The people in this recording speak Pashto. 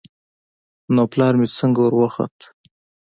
نو پلار مې څنگه وروخوت.